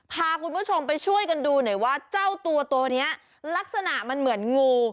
พาคุณผู้ชมไปช่วยกันดูหน่อยว่าเจ้าตัวตัวนี้ลักษณะมันเหมือนงู